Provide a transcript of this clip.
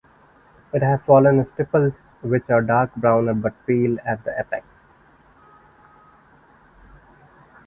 It has swollen stipules which are dark brown but pale at the apex.